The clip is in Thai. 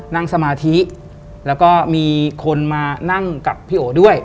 นั่งสมาธิแล้วก็มีคนมานั่งกับพี่โอด้วย